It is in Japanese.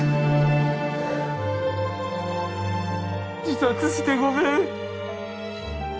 自殺してごめん。